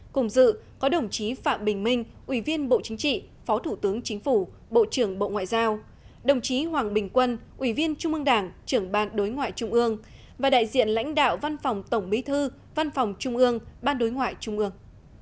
cùng dự có đồng chí phạm bình minh ủy viên bộ chính trị phó thủ tướng chính phủ bộ trưởng bộ ngoại giao đồng chí hoàng bình quân ủy viên trung ương đảng trưởng ban đối ngoại trung ương và đại diện lãnh đạo văn phòng tổng bí thư văn phòng trung ương ban đối ngoại trung ương